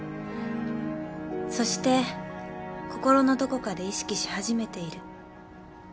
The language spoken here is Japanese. そして心のどこかで意識しはじめている。